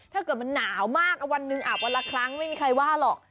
ถ้าเกิดมันหนาวมากวันหนึ่งอาบวันละครั้งไม่มีใครว่าหรอก